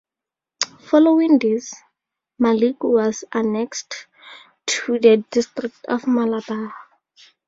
Following this, Maliku was annexed to the District of Malabar.